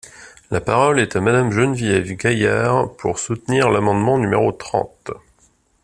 La parole est à Madame Geneviève Gaillard, pour soutenir l’amendement numéro trente.